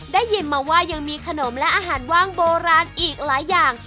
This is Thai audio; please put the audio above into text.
ได้ยินมาว่ายังมีขนมและอาหารว่างโบราณอีกหลายอย่าง